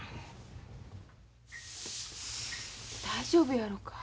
大丈夫やろか？